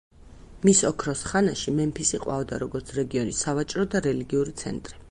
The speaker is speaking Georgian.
მის ოქროს ხანაში, მემფისი ყვაოდა როგორც რეგიონის სავაჭრო და რელიგიური ცენტრი.